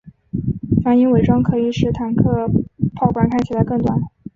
反影伪装可以使坦克炮管看起来更短。